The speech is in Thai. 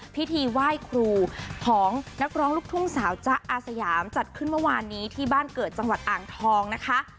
พิธีไหว้ครูของนักร้องลูกทุ่งสาวจ๊ะอาสยามจัดขึ้นเมื่อวานนี้ที่บ้านเกิดจังหวัดอ่างทองนะคะ